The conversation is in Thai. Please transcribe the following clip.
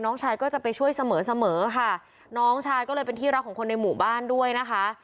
น้องชายก็จะไปช่วยเสมอเสมอค่ะน้องชายก็เลยเป็นที่รักของคนในหมู่บ้านด้วยนะคะ